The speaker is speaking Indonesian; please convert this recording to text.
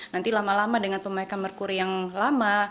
nanti lama lama dengan pemakaikan merkuri yang lama